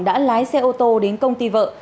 đã lái xe ô tô đến công ty vợ